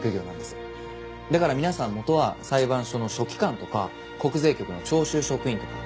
だから皆さん元は裁判所の書記官とか国税局の徴収職員とか。